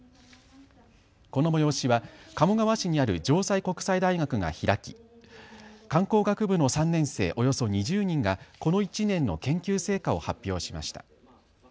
この催しは鴨川市にある城西国際大学が開き観光学部の３年生およそ２０人がこの１年の研究成果を発表しました。